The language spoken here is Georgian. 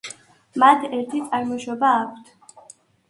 მათ ერთი წარმოშობა აქვთ.